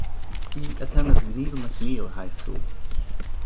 He attended Neil McNeil High School.